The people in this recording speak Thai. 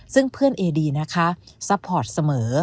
ซึ่งเพื่อนเอดีนะคะซัพพอร์ตเสมอ